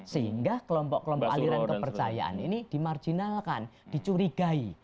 sehingga kelompok kelompok aliran kepercayaan ini dimarjinalkan dicurigai